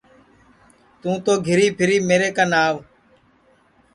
توں تو گھیری پھیر میرے کن آو